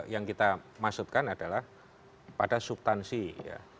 yang kita maksudkan adalah pada subtansi ya